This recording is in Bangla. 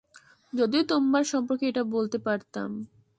যদিও তোমার সম্পর্কে এটা বলতে পারতাম।